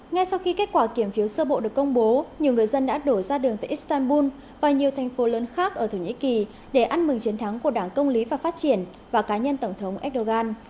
ngay sau khi kết quả kiểm phiếu sơ bộ được công bố nhiều người dân đã đổ ra đường tại istanbul và nhiều thành phố lớn khác ở thổ nhĩ kỳ để ăn mừng chiến thắng của đảng công lý và phát triển và cá nhân tổng thống erdogan